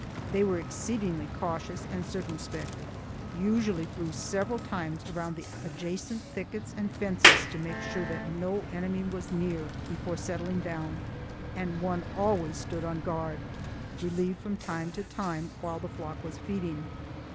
They were exceedingly cautious and circumspect; usually flew several times round the adjacent thickets and fences to make sure that no enemy was near before settling down, and one always stood on guard, relieved from time to time, while the flock was feeding.